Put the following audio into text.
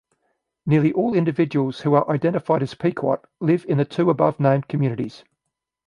Nearly all individuals who are identified as Pequot live in the two above-named communities.